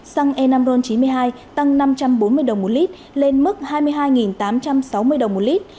xăng e năm ron chín mươi hai tăng năm trăm bốn mươi đồng một lít lên mức hai mươi hai tám trăm sáu mươi đồng một lít